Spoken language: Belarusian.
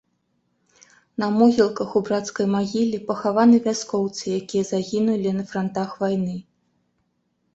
На могілках у брацкай магіле пахаваны вяскоўцы, якія загінулі на франтах вайны.